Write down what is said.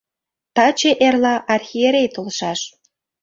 Таче-эрла архиерей толшаш...